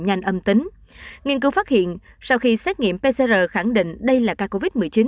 nghiên cứu phát hiện sau khi xét nghiệm pcr khẳng định đây là ca covid một mươi chín